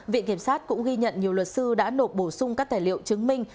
viện kiểm sát cũng ghi nhận nhiều luật sư đã nộp bổ sung các tài liệu chứng minh